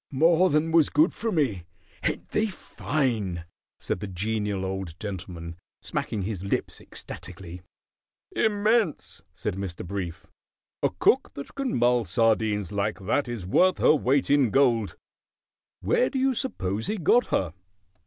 "More than was good for me. Ain't they fine?" said the Genial Old Gentleman, smacking his lips ecstatically. "Immense!" said Mr. Brief. "A cook that can mull sardines like that is worth her weight in gold. Where do you suppose he got her?"